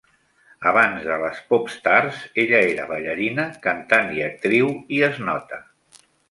Abans de les Popstars, ella era ballarina, cantant i actriu, i es nota.